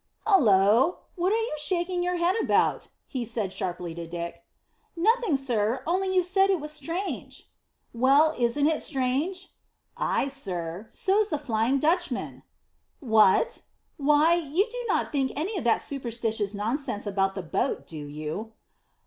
"Hullo! What are you shaking your head about?" he said sharply to Dick. "Nothing sir, only you said it was strange." "Well, isn't it strange?" "Ay, sir; so's the Flying Dutchman!" "What? Why, you do not think any of that superstitious nonsense about the boat, do you?"